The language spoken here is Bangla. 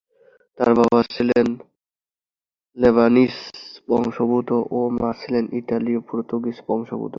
তার বাবা ছিলেন লেবানিজ বংশোদ্ভূত ও মা ছিলেন ইতালীয়-পর্তুগিজ বংশোদ্ভূত।